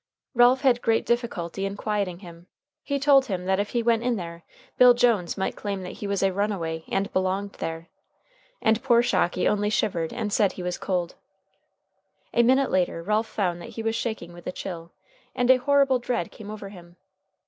Ralph had great difficulty in quieting him. He told him that if he went in there Bill Jones might claim that he was a runaway and belonged there. And poor Shocky only shivered and said he was cold. A minute later, Ralph found that he was shaking with a chill, and a horrible dread came over him.